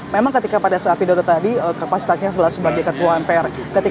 memang ketika pada saat pidato tadi kapasitanya sudah sebagian ke ketua mpr